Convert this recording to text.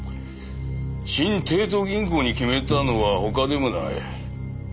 新帝都銀行に決めたのは他でもないこの私ですよ。